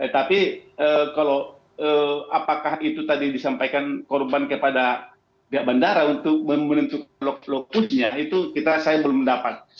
tapi kalau apakah itu tadi disampaikan korban kepada pihak bandara untuk membentuk lopusnya itu kita saya belum dapat